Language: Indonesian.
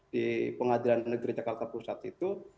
di pengadilan negeri jakarta pusat itu